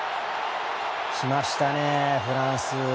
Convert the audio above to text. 来ましたね、フランス。